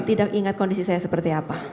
tidak ingat kondisi saya seperti apa